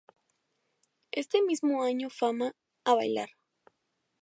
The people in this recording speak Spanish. Este mismo año Fama, ¡a bailar!